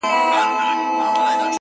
اوس مي د زړه زړگى په وينو ســور دى